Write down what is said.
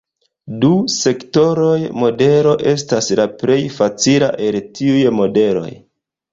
Du-sektoroj-modelo estas la plej facila el tiuj modeloj.